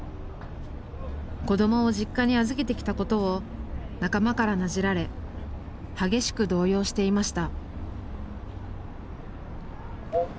子どもを実家に預けてきたことを仲間からなじられ激しく動揺していました。